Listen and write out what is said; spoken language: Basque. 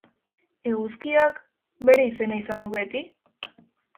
Eguzkiak... bere izena izan du beti?